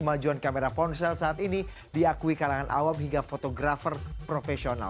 kemajuan kamera ponsel saat ini diakui kalangan awam hingga fotografer profesional